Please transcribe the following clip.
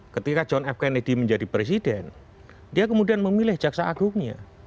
ketika john f kennedy menjadi presiden dia kemudian memilih jaksa agungnya